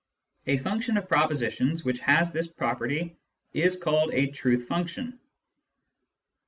A function of propositions which has this property is called a " truth function."